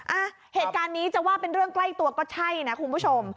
อ่ะเหตุการณ์นี้จะว่าเป็นเรื่องใกล้ตัวก็ใช่นะคุณผู้ชม